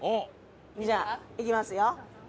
じゃあいきますよ。